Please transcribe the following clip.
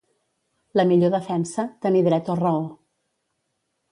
La millor defensa, tenir dret o raó.